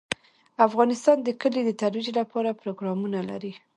افغانستان د کلي د ترویج لپاره پروګرامونه لري.